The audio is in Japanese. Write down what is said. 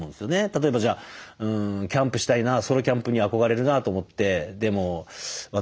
例えばじゃあキャンプしたいなソロキャンプに憧れるなと思って「でも私なんか何も知らないから」